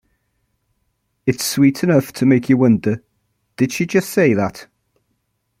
It's sweet enough to make you wonder, 'Did she just say that?